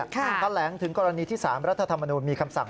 แถลงถึงกรณีที่๓รัฐธรรมนูลมีคำสั่ง